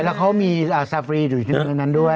แล้วเขามีอ่าทราฟรีดูดอกไม้นั้นด้วย